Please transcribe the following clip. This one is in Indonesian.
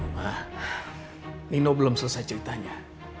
wah nino belum selesai ceritanya